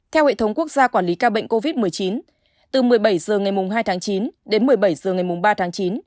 theo hệ thống quốc gia quản lý ca bệnh covid một mươi chín từ một mươi bảy h ngày hai tháng chín đến một mươi bảy h ngày ba tháng chín